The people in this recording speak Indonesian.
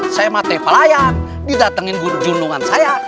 saya mati pelayan didatengin guru junungan saya